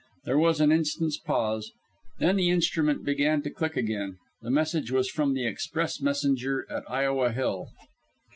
There was an instant's pause, then the instrument began to click again. The message was from the express messenger at Iowa Hill.